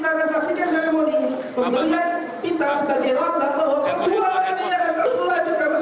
saya mau diberikan pinta sebagai randa kalau kejualan ini akan terkulai secara normal semua